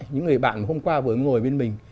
những người bạn hôm qua vừa ngồi bên mình